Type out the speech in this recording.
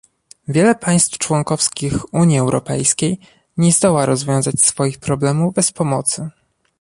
Wiele państw członkowskich Unii Europejskiej nie zdoła rozwiązać swoich problemów bez pomocy